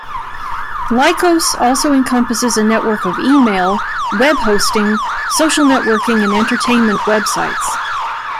Lycos also encompasses a network of email, webhosting, social networking, and entertainment websites.